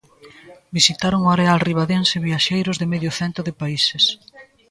Visitaron o areal ribadense viaxeiros de medio cento de países.